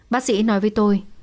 bác sĩ nói với tôi